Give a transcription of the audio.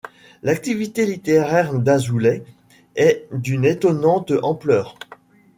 L'activité littéraire d'Azoulay est d'une étonnante ampleur.